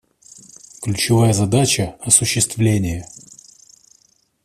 Ключевая задача — осуществление.